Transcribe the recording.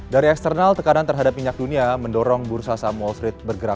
dari eksternal tekanan terhadap minyak dunia mendorong bursa saham wall street bergerak